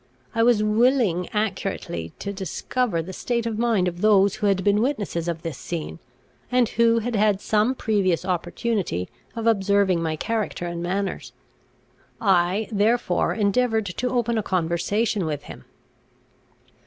I was willing accurately to discover the state of mind of those who had been witnesses of this scene, and who had had some previous opportunity of observing my character and manners. I, therefore, endeavoured to open a conversation with him.